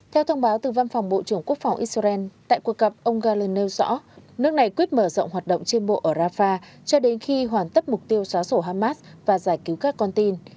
theo thông báo từ văn phòng bộ trưởng quốc phòng israel tại cuộc gặp ông galan nêu rõ nước này quyết mở rộng hoạt động trên bộ ở rafah cho đến khi hoàn tất mục tiêu xóa sổ hamas và giải cứu các con tin